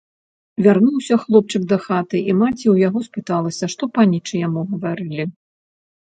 Вярнуўся хлопчык дахаты, і маці ў яго спыталася, што панічы яму гаварылі.